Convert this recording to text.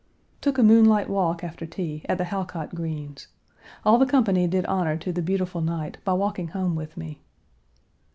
Took a moonlight walk after tea at the Halcott Greens'. All the company did honor to the beautiful night by walking home with me.